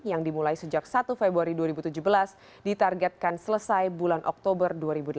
yang dimulai sejak satu februari dua ribu tujuh belas ditargetkan selesai bulan oktober dua ribu delapan belas